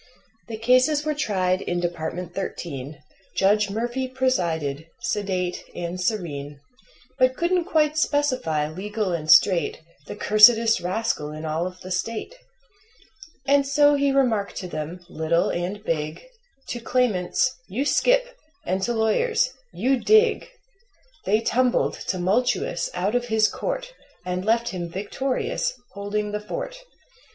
The cases were tried in Department Thirteen, Judge Murphy presided, sedate and serene, But couldn't quite specify, legal and straight, The cursedest rascal in all of the State. And so he remarked to them, little and big To claimants: "You skip!" and to lawyers: "You dig!" They tumbled, tumultuous, out of his court And left him victorious, holding the fort.